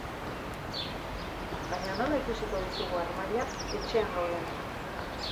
Baina nola ikusiko ditugu harmailak etxean gaudenok?